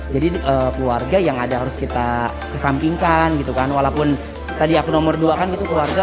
jadi keluarga yang ada harus kita kesampingkan gitu kan walaupun tadi aku nomor dua kan itu keluarga